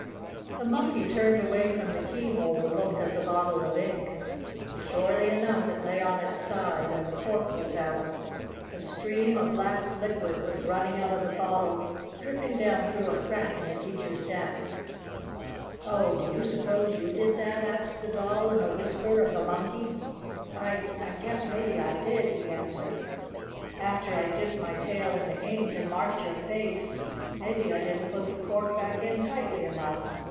The Monkey turned away from the keyhole and looked at the bottle of ink. Surely enough, it lay on its side, and the cork was out. A stream of black liquid was running out of the bottle, dripping down through a crack in the teacher's desk. "Oh, do you suppose you did that?" asked the Doll in a whisper of the Monkey. "I I guess maybe I did," he answered. "After I dipped my tail in the ink and marked your face, maybe I didn't put the cork back in tightly enough.